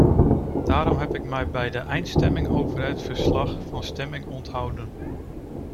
Daarom heb ik mij bij de eindstemming over het verslag van stemming onthouden.